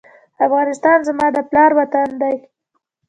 افغانستان زما د پلار وطن دی